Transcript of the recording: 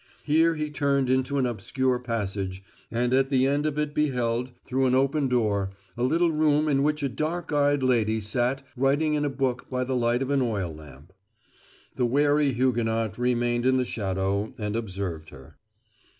Here he turned into an obscure passage, and at the end of it beheld, through an open door, a little room in which a dark eyed lady sat writing in a book by the light of an oil lamp. The wary Huguenot remained in the shadow and observed her.